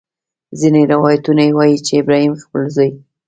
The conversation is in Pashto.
ځینې روایتونه وایي چې ابراهیم خپل زوی.